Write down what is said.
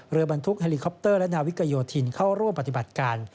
บรรทุกเฮลิคอปเตอร์และนาวิกโยธินเข้าร่วมปฏิบัติการ